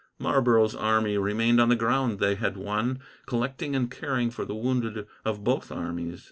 Marlborough's army remained on the ground they had won, collecting and caring for the wounded of both armies.